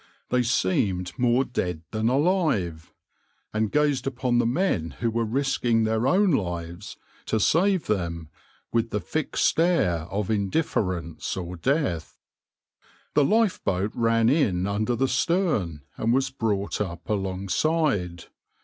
They seemed more dead than alive, and gazed upon the men who were risking their own lives, to save them with the fixed stare of indifference or death. The lifeboat ran in under the stern and was brought up alongside.